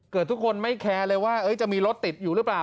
ทุกคนไม่แคร์เลยว่าจะมีรถติดอยู่หรือเปล่า